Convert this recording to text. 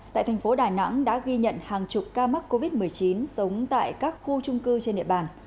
tại tp đài nẵng đã ghi nhận hàng chục ca mắc covid một mươi chín sống tại các khu trung cư trên địa bàn